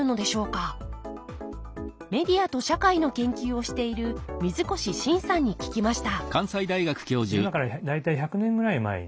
メディアと社会の研究をしている水越伸さんに聞きました